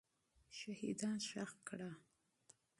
شهیدان ښخ کړه.